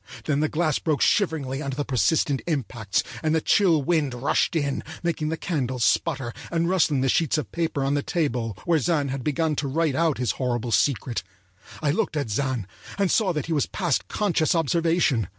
Then the glass broke shiveringly under the persistent impacts, and the chill wind rushed in, making the candles sputter and rustling the sheets of paper on the table where Zann had begun to write out his horrible secret. I looked at Zann, and saw that he was past conscious observation.